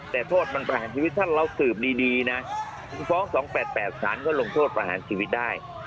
แต่โทษมันประหารชีวิตท่านเราสืบดีนะฟ้อง๒๘๘สารก็ลงโทษประหารชีวิตได้